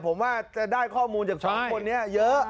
ผมว่าจะได้ข้อมูลจากสองคนนี้เยอะ